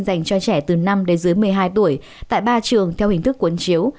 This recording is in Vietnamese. dành cho trẻ từ năm đến dưới một mươi hai tuổi tại ba trường theo hình thức cuốn chiếu